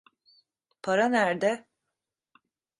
Para nerde?